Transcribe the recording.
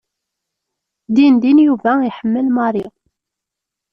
Dindin Yuba iḥemmel Mary.